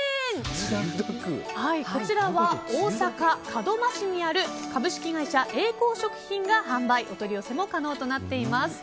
こちらは大阪・門真市にある株式会社エイコー食品が販売お取り寄せも可能となっています。